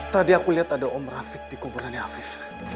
tadi aku lihat ada om rafiq di kuburannya afif